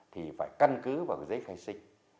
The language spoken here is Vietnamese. thì phải căn cứ vào giấy khai sinh